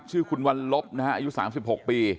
ชื่อคุณวันลบนะฮะอายุ๓๖ปี